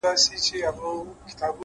هوډ د ستونزو پر وړاندې ټینګېږي’